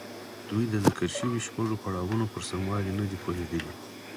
دوی د ذکر شويو شپږو پړاوونو پر سموالي نه دي پوهېدلي.